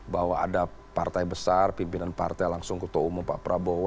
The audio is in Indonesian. bahwa ada partai besar pimpinan partai langsung ketua umum pak prabowo